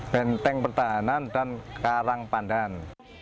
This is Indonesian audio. benteng pertahanan dan karang pandan